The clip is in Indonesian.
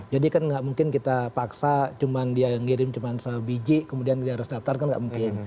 jadi kan tidak mungkin kita paksa dia mengirim cuma sebijik kemudian dia harus daftarkan tidak mungkin